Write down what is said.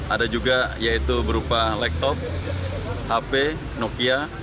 ada juga yaitu berupa laptop hp nokia